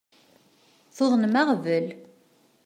Tuḍnem aɣbel.